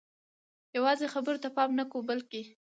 یوازې خبرو ته پام نه کوو بلکې